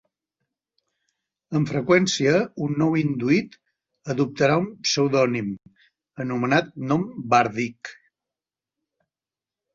Amb freqüència un nou induït adoptarà un pseudònim, anomenat nom bàrdic.